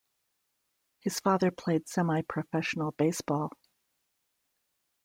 His father played semi-professional baseball.